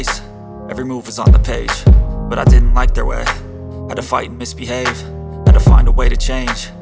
sampai jumpa di video selanjutnya